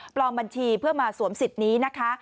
บัญชีเพื่อมาสวมสิทธิ์นี้นะคะ